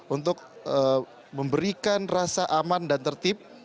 untuk memberikan rasa aman dan tertib